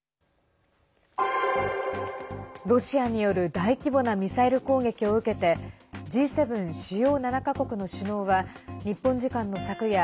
ロシアによる大規模なミサイル攻撃を受けてＧ７＝主要７か国の首脳は日本時間の昨夜